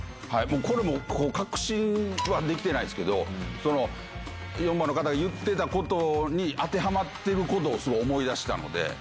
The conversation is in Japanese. これもう確信はできてないですけど、４番の方が言ってたことに当てはまってることを、すごい思い出したので。